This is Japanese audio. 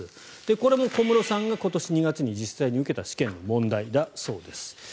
これも小室さんが今年２月に受けた実際の試験の問題だそうです。